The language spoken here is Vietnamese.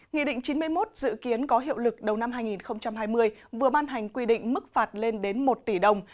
nghị định chín mươi một dự kiến có hiệu lực đầu năm hai nghìn hai mươi vừa ban hành quy định mức phạt lên đến một tỷ đồng